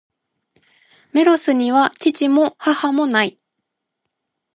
メロスには父も、母も無い。